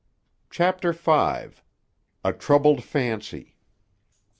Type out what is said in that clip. CHAPTER V. A TROUBLED FANCY.